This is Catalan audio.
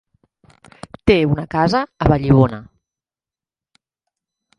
Té una casa a Vallibona.